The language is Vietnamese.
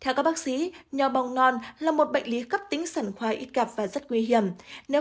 theo các bác sĩ nhò bong non là một bệnh lý cấp tính sản khoai ít gặp và rất nguy hiểm nếu